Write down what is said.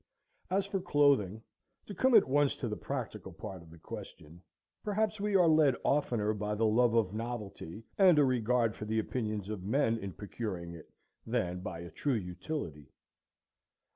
As for Clothing, to come at once to the practical part of the question, perhaps we are led oftener by the love of novelty, and a regard for the opinions of men, in procuring it, than by a true utility.